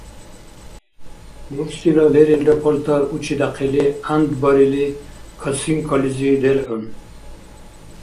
Рурсила лерилра палтар учидяхъили гӀянд барили косынкализи делгӀун.